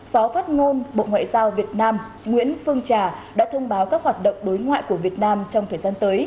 phó phát ngôn bộ ngoại giao việt nam nguyễn phương trà đã thông báo các hoạt động đối ngoại của việt nam trong thời gian tới